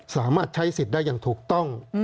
สามารถใช้สิทธิ์ได้อย่างถูกต้อง